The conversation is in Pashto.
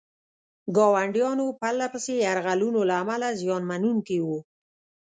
ګاونډیانو پرله پسې یرغلونو له امله زیان منونکي وو.